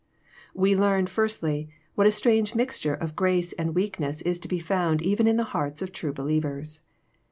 We learn, firstly, wJiat a strange mixture of grace and weakness is to he found even in the hearts of true believers.